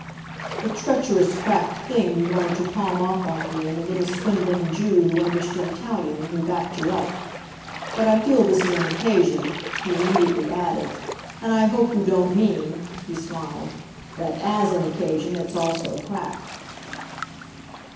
"The treacherous cracked thing you wanted to palm off on me, and the little swindling Jew who understood Italian and who backed you up! But I feel this an occasion," he immediately added, "and I hope you don't mean," he smiled, "that AS an occasion it's also cracked."